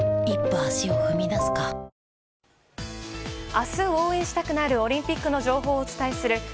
明日、応援したくなるオリンピックの情報をお伝えする